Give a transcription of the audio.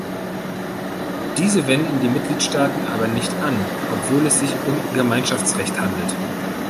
Diese wenden die Mitgliedstaaten aber nicht an, obwohl es sich um Gemeinschaftsrecht handelt.